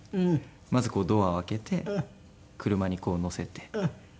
まずドアを開けて車に乗せてで閉じて。